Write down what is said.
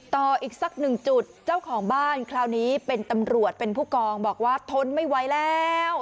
ต่ออีกสักหนึ่งจุดเจ้าของบ้านคราวนี้เป็นตำรวจเป็นผู้กองบอกว่าทนไม่ไหวแล้ว